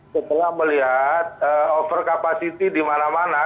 setelah melihat over capacity di mana mana